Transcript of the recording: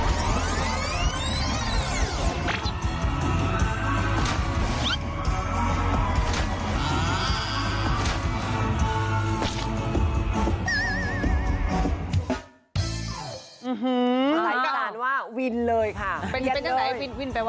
อื้อฮือใส่สารว่าวินเลยค่ะเป็นเป็นอย่างไรวินวินไปว่ะ